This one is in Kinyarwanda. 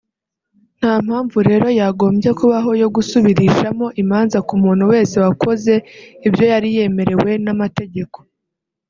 nta mpamvu rero yagombye kubaho yo gusubirishamo imanza ku muntu wese wakoze ibyo yari yemerewe n’amategeko